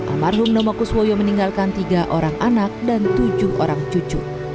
almarhum nomo kuswoyo meninggalkan tiga orang anak dan tujuh orang cucu